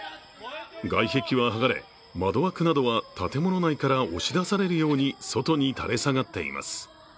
外壁は剥がれ、窓枠などは建物内から押し出されるように外に垂れ下がっています。